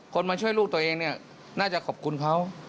มาช่วยลูกตัวเองเนี่ยน่าจะขอบคุณเขา